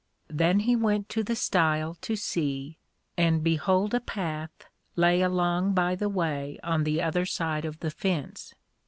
Then he went to the Stile to see, and behold a Path lay along by the way on the other side of the fence.